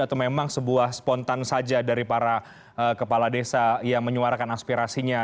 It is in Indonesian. atau memang sebuah spontan saja dari para kepala desa yang menyuarakan aspirasinya